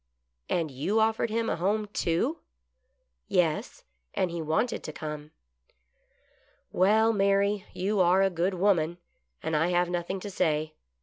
And you offered him a home, too ?"" Yes, and he wanted to come." " Well, Mary, you are a good woman, and I have nothing to say.